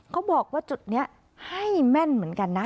เขาบอกว่าจุดนี้ให้แม่นเหมือนกันนะ